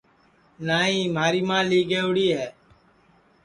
نائی مھاری ماں لی گئوڑی ہے